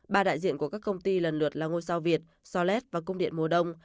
ba đại diện của các công ty lần lượt là ngôi sao việt solet và cung điện mùa đông